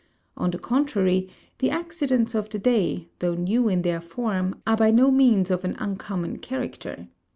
On the contrary, the accidents of the day, though new in their form, are by no means of an uncommon character.